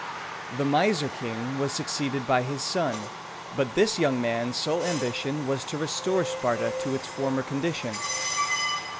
The miser king was succeeded by his son, but this young man's sole ambition was to restore Sparta to its former condition.